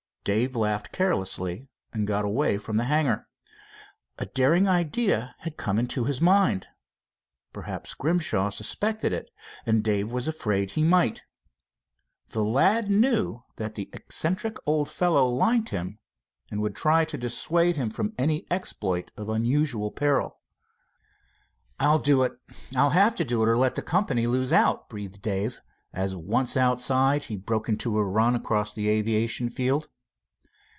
Dave laughed carelessly and got away from the hangar. A daring idea had come into his mind. Perhaps Grimshaw suspected it, and Dave was afraid he might. The lad knew that the eccentric old fellow liked him, and would try to dissuade him from any exploit of unusual peril. "I'll do it, I'll have to do it or let the company lose out," breathed Dave, as once outside he broke into a run across the aviation field.